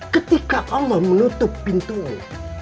ketika allah menutup pintunya